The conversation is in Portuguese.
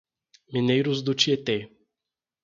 Mineiros do Tietê